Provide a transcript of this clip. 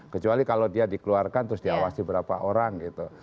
kecuali kalau dia dikeluarkan terus diawasi berapa orang gitu